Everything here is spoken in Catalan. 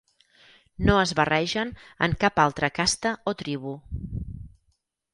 No es barregen amb cap altra casta o tribu.